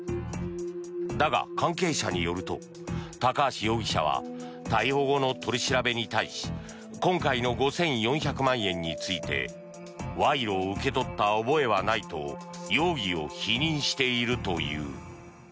だが、関係者によると高橋容疑者は逮捕後の取り調べに対し今回の５４００万円について賄賂を受け取った覚えはないと容疑を否認しているという。